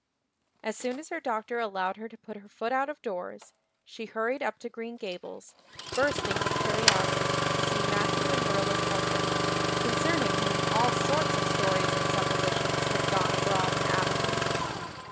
As soon as her doctor allowed her to put her foot out of doors she hurried up to Green Gables, bursting with curiosity to see Matthew and Marilla's orphan, concerning whom all sorts of stories and suppositions had gone abroad in Avonlea.